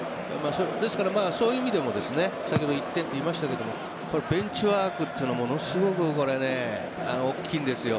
そういう意味でも先ほど１点と言いましたがベンチワークというのもものすごく大きいんですよ。